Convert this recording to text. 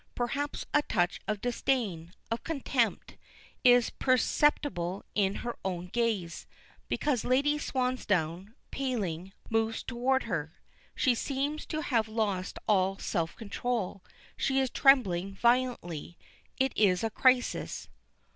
Perhaps a touch of disdain, of contempt, is perceptible in her own gaze, because Lady Swansdown, paling, moves toward her. She seems to have lost all self control she is trembling violently. It is a crisis.